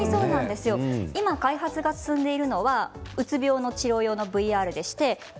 今、開発が進んでいるのはうつ病の治療用のＶＲです。